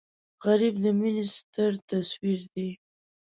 غریب د مینې ستر تصویر دی